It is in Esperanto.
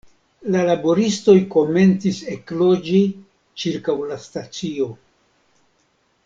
La laboristoj komencis ekloĝi ĉirkaŭ la stacio.